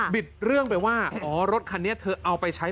เรื่องไปว่าอ๋อรถคันนี้เธอเอาไปใช้